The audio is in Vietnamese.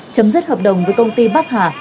chấm dứt hợp đồng với công ty bắc hà